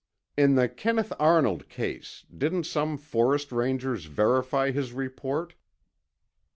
In the Kenneth Arnold case, didn't some forest rangers verify his report?